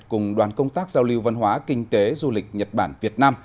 cùng đoàn công tác giao lưu văn hóa kinh tế du lịch nhật bản việt nam